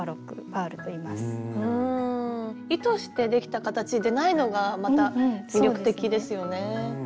意図してできた形でないのがまた魅力的ですよね。